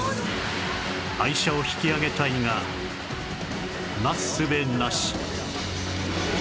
愛車を引き揚げたいがなすすべなし